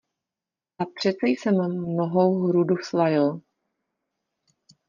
A přece jsem mnohou hrudu svalil.